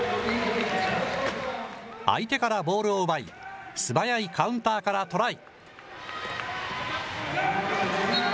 相手からボールを奪い、素早いカウンターからトライ。